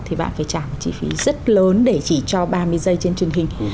thì bạn phải trả một chi phí rất lớn để chỉ cho ba mươi giây trên truyền hình